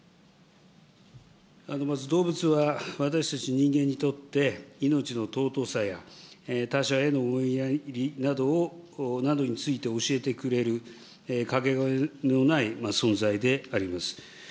まず動物は、私たち人間にとって、命の尊さや、他者への思いやりなどについて教えてくれる、かけがえのない存在であります。